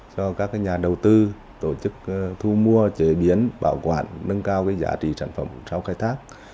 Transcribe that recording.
cho các nhà đầu tư tổ chức thu mua chế biến bảo quản nâng cao giá trị sản phẩm sau khai thác